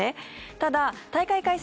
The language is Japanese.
ただ、大会開催